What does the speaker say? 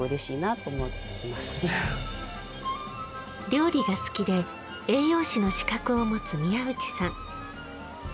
料理が好きで栄養士の資格を持つ宮内さん。